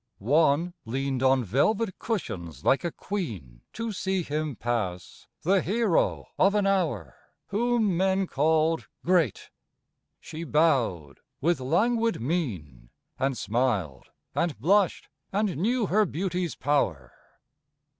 One leaned on velvet cushions like a queen To see him pass, the hero of an hour, Whom men called great. She bowed with languid mien, And smiled, and blushed, and knew her beauty's power.